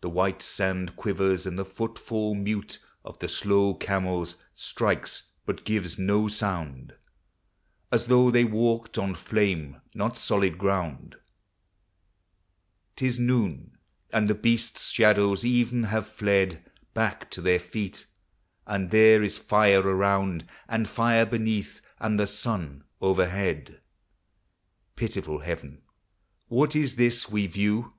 The white sand quivers, and the footfall mute Of the slow camels strikes but gives no sound, As though they walked on flame, not solid ground ! 'T is noon, and the beasts' shadows even have fled Back to their feet, and there is fire around And fire beneath, and the sun overhead Pitiful Heaven! what is this we view?